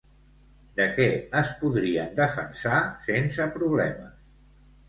De què es podrien defensar sense problemes?